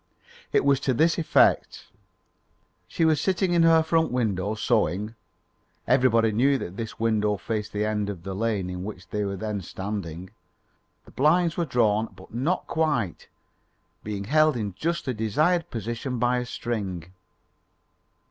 It was to this effect: She was sitting in her front window sewing. (Everybody knew that this window faced the end of the lane in which they were then standing.) The blinds were drawn but not quite, being held in just the desired position by a string.